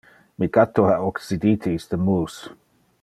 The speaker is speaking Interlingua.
Mi catto ha occidite iste mus.